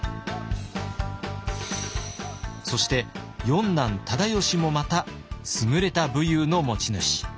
そして四男忠吉もまた優れた武勇の持ち主。